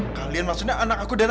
kalian maksudnya anak aku dan